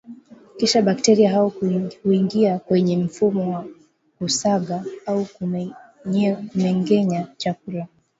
kisha bekteria hao huingia kwenye mfumo wa kusaga au kumengenya chakula